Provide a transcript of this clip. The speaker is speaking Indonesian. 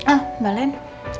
ah mbak len